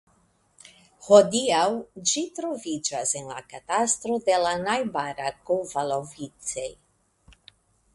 Hodiaŭ ĝi troviĝas en la katastro de la najbara Kovalovice.